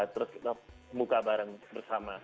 terus kita buka bareng bersama